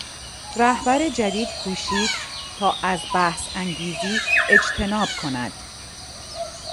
رهبر جدید کوشید تا از بحث انگیزی اجتناب کند.